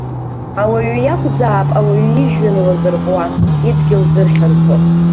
Ауаҩы иакәзаап ауаҩы ижәҩан лазырҟәуа, идгьыл зырхьанҭо.